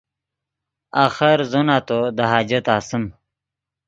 آخر زو نتو دے حاجت آسیم